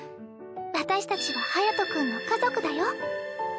私たちは隼君の家族だよ。